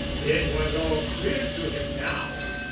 It was all clear to him now.